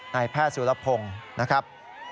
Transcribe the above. นายแพทย์สุรพงศ์นะครับ